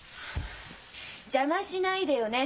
邪魔しないでよね